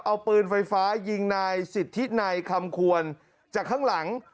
เอาปืนไฟฟ้ายิงนายสิทธินัยคำควรจากข้างหลัง